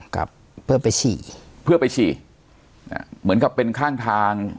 ครับเพื่อไปฉี่เพื่อไปฉี่อ่าเหมือนกับเป็นข้างทาง